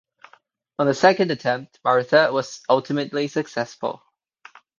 On the second attempt Marta was ultimately successful.